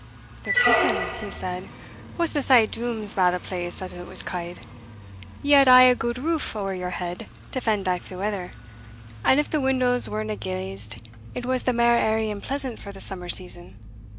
"The prison," he said, "wasna sae dooms bad a place as it was ca'd. Ye had aye a good roof ower your head to fend aff the weather, and, if the windows werena glazed, it was the mair airy and pleasant for the summer season.